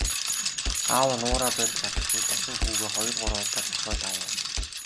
Аав нь уураа барьж чадалгүй дахин хүүгээ хоёр гурван удаа цохиод авав.